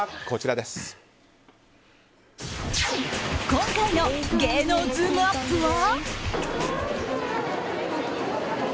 今回の芸能ズームＵＰ！は。